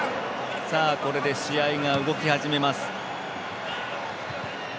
これで試合が動き始めます。